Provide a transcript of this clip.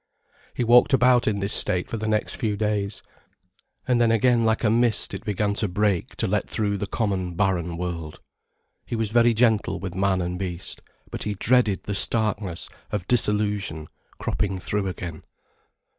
He walked about in this state for the next few days. And then again like a mist it began to break to let through the common, barren world. He was very gentle with man and beast, but he dreaded the starkness of disillusion cropping through again.